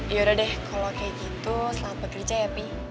yaudah deh kalo kayak gitu selamat bekerja ya pi